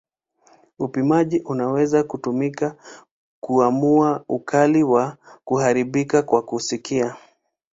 Upimaji unaweza kutumika kuamua ukali wa kuharibika kwa kusikia.